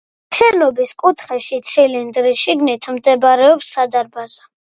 შენობის კუთხეში, ცილინდრის შიგნით, მდებარეობს სადარბაზო.